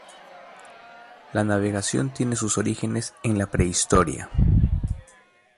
La navegación tiene sus orígenes en la prehistoria.